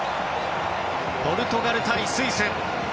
ポルトガル対スイス。